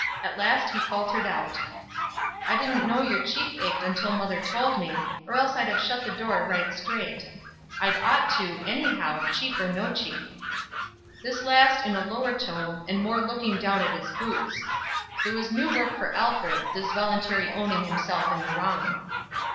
At last he faltered out: "I didn't know your cheek ached till mother told me, or else I'd have shut the door right straight. I'd ought to, any how, cheek or no cheek." This last in a lower tone, and more looking down at his boots. It was new work for Alfred, this voluntarily owning himself in the wrong.